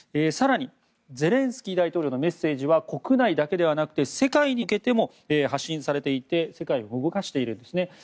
更に、ゼレンスキー大統領のメッセージは国内だけではなくて世界に向けても発信されていて世界を動かしているんですね。